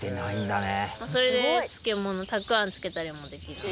それで漬物たくあん漬けたりもできます。